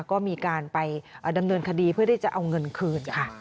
ก็มีการไปดำเนินคดีเพื่อที่จะเอาเงินคืนค่ะ